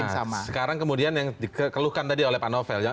nah sekarang kemudian yang dikeluhkan tadi oleh pak rizwan